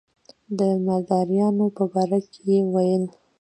د مداریانو په باره کې یې ویل.